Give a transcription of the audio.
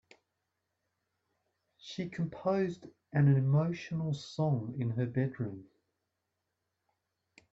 She composed an emotional song in her bedroom.